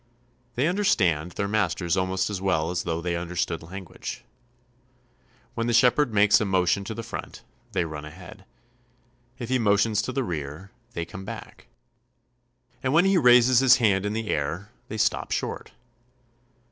They un derstand their masters almost as well as though they understood language. When the shepherd makes a AT THE END OF THE CONTINENT. 165 motion to the front, they run ahead; if he motions to the rear, they come back ; and when he raises his hand in the air, they stop short.